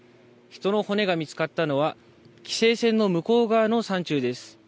人の骨が見つかったのは、規制線の向こう側の山中です。